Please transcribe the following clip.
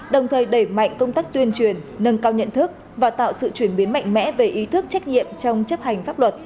đồng thời đẩy mạnh công tác tuyên truyền nâng cao nhận thức và tạo sự chuyển biến mạnh mẽ về ý thức trách nhiệm trong chấp hành pháp luật